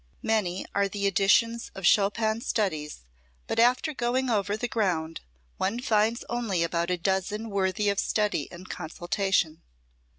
Many are the editions of Chopin's studies, but after going over the ground, one finds only about a dozen worthy of study and consultation.